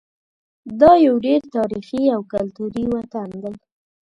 دا یو ډېر تاریخي او کلتوري وطن دی.